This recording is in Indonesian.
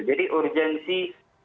jadi urgensi kita tidak punya musuh